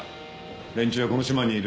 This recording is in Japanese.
連中はこの島にいる。